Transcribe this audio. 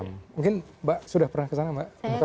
mungkin mbak sudah pernah kesana mbak